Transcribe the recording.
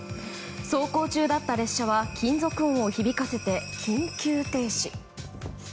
走行中だった列車は金属音を響かせて、緊急停止。